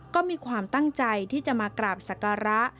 ก็มีความตั้งใจที่จะมากราบศักระ